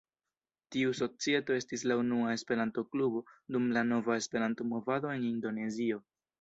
Tiu societo estis la unua Esperanto-klubo dum la nova Esperanto-movado en Indonezio.